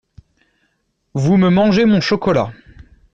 Vous me mangez mon chocolat !